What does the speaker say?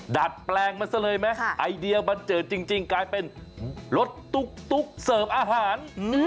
ดัดแปลงมันซะเลยไหมไอเดียบันเจิดจริงกลายเป็นรถตุ๊กเสิร์ฟอาหาร